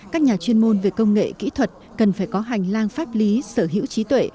các nhà chuyên môn về công nghệ kỹ thuật cần phải có hành lang pháp lý sở hữu trí tuệ